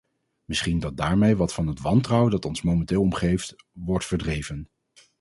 Misschien dat daarmee wat van het wantrouwen dat ons momenteel omgeeft, wordt verdreven.